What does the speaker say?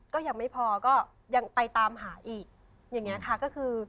ก็ยังไม่พอก็ยังไปตามหาอีกอย่างนี้ค่ะก็คือ